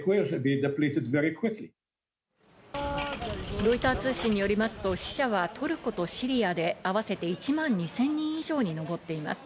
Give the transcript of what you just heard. ロイター通信によりますと死者はトルコとシリアで合わせて１万２０００人以上にのぼっています。